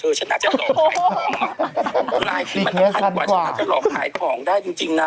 มีแรงการขาดผิดจะดูหลอกไขของได้จริง